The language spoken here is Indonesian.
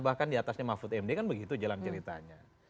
bahkan di atasnya mahfud md kan begitu jalan ceritanya